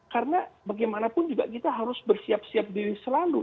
karena bagaimanapun juga kita harus bersiap siap diri selalu